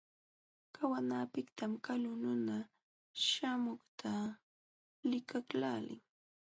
Qawanapiqtam kalu nuna śhamuqta likaqlaalin.